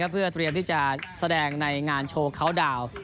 เพื่อเตรียมที่จะแสดงในงานโชว์เขาดาวน์